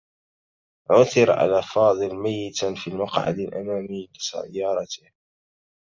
عُثِر على فاضل ميّتا في المقعد الأمامي لسيّارته.